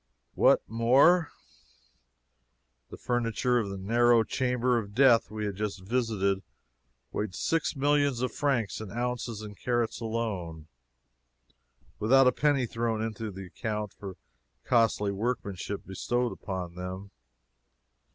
What, more? The furniture of the narrow chamber of death we had just visited weighed six millions of francs in ounces and carats alone, without a penny thrown into the account for the costly workmanship bestowed upon them!